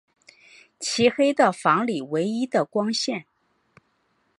漆黑的房里唯一的光线